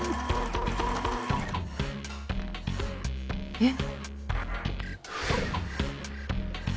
えっ。